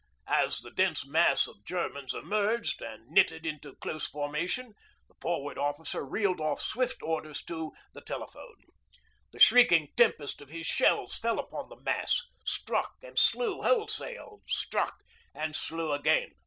As the dense mass of Germans emerged, and knitted into close formation, the Forward Officer reeled off swift orders to the telephone. The shrieking tempest of his shells fell upon the mass, struck and slew wholesale, struck and slew again.